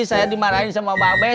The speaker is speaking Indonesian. saya dimarahin sama mbak abe